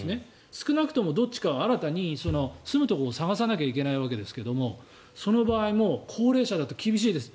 少なくともどっちかは新たに住むところを探さなきゃいけないわけですがその場合も高齢者だと厳しいです。